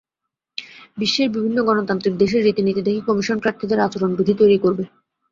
বিশ্বের বিভিন্ন গণতান্ত্রিক দেশের রীতিনীতি দেখে কমিশন প্রার্থীদের আচরণবিধি তৈরি করবে।